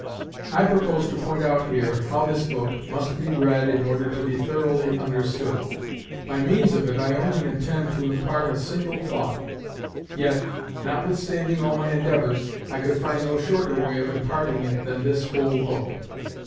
I propose to point out here how this book must be read in order to be thoroughly understood. By means of it I only intend to impart a single thought. Yet, notwithstanding all my endeavours, I could find no shorter way of imparting it than this whole book.